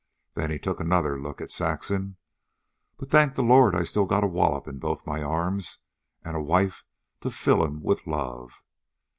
Then he took another look at Saxon. "But thank the Lord I still got a wallop in both my arms an' a wife to fill 'em with love."